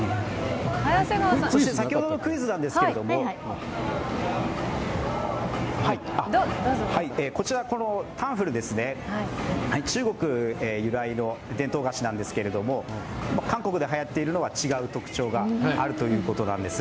先ほどのクイズなんですけど、こちら、タンフルですね、中国由来の伝統菓子なんですけれども、韓国ではやっているのは違う特徴があるということなんです。